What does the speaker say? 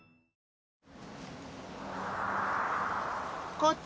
こっち！